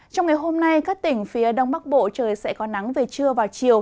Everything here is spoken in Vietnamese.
trong ngày hôm nay các tỉnh phía đông bắc bộ trời sẽ có nắng về trưa vào chiều